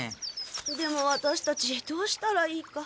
でもワタシたちどうしたらいいか。